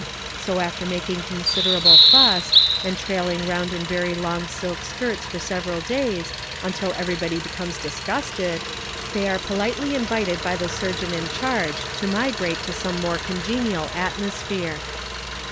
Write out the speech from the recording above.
So after making considerable fuss, and trailing round in very long silk skirts for several days, until everybody becomes disgusted, they are politely invited by the surgeon in charge to migrate to some more congenial atmosphere.